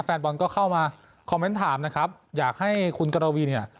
แฟนบอลก็เข้ามาคอมเมนต์ถามนะครับอยากให้คุณกรวีเนี่ย